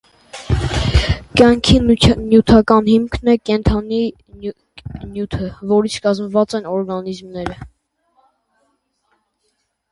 Կյանքի նյութական հիմքն է, կենդանի նյութը, որից կազմված են օրգանիզմները։